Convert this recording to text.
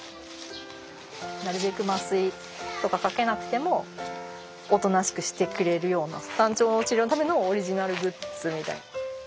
なるべく麻酔とかかけなくてもおとなしくしてくれるようなタンチョウの治療のためのオリジナルグッズみたいな。